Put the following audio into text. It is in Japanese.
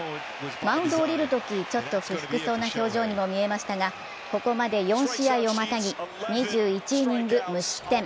マウンドを降りるとき、ちょっと不服そうな表情にも見えましたが、ここまで４試合をまたぎ２１イニング無失点。